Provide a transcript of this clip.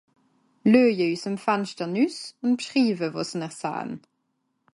lueje ùss'm fanschter nüss un b'schriewe wàsn'r sahn